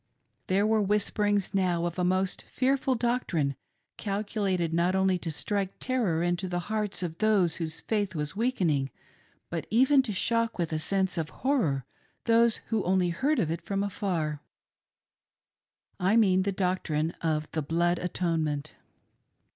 There were whisperings now of a most fearful doctrine, calculated not only to strike terror into the hearts of those whose faith was weakening, but even to shock with a sense of horror those who only heard of it from afar — I mean the doctrine of the Blood Atonement.